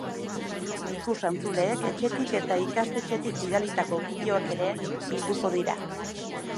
Ikus-entzuleek etxetik eta ikastetxetik bidalitako bideoak ere bilduko dira.